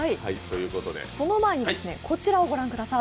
その前にこちらを御覧ください。